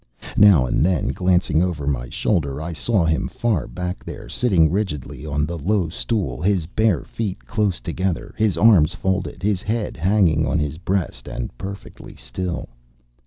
Now and then, glancing over my shoulder, I saw him far back there, sitting rigidly on the low stool, his bare feet close together, his arms folded, his head hanging on his breast and perfectly still.